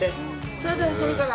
それでそれから。